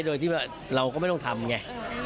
โดยที่ว่าเราก็ไม่ต้องทำไง